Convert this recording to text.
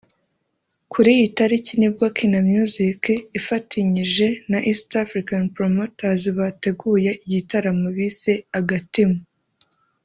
Kuri iyi tariki nibwo Kina Music ifatinyije na East African Promoters bateguye igitaramo bise Agatima